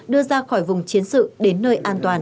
đưa ra khỏi vùng chiến sự đến nơi an toàn